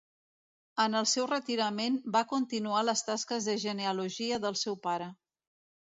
En el seu retirament va continuar les tasques de genealogia del seu pare.